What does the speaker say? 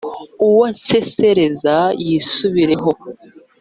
uwo nsesereza yisubireho;